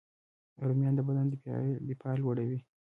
رومیان د بدن دفاع لوړوي